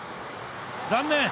残念！